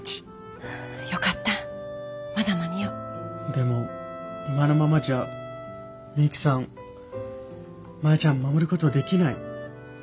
でも今のままじゃミユキさんマヤちゃん守ることできない。